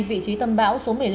vị trí tâm bão số một mươi năm